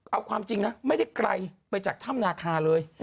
เอาความจริงนะไม่ได้ไกลไปจากถ้ำนาคาเลย